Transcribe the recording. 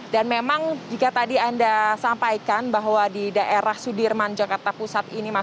memang jika tadi anda sampaikan bahwa di daerah sudirman jakarta pusat ini